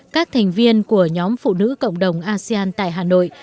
các thành viên của nhóm phụ nữ cộng đồng asean tại hà nội